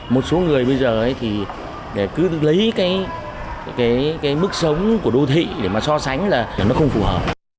một số người bây giờ thì cứ lấy cái mức sống của đô thị để mà so sánh là nó không phù hợp